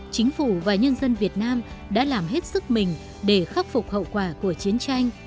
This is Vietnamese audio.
chính phủ và nhân dân việt nam đã làm hết sức mình để khắc phục hậu quả của chiến tranh